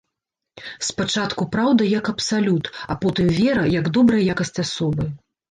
Спачатку праўда як абсалют, а потым вера як добрая якасць асобы.